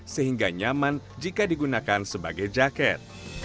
sehingga nyaman jika digunakan sebagai jaket